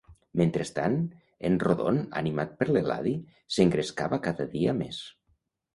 Mentrestant, en Rodon, animat per l'Eladi, s'engrescava cada dia més.